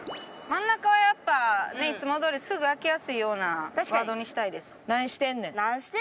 真ん中はやっぱねいつもどおりすぐ開けやすいようなワードにしたいです。